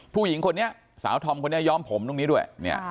ผู้หญิงคนนี้สาวธอมคนนี้ย้อมผมตรงนี้ด้วย